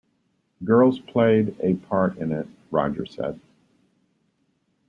The girls played a part in it, Rogers said.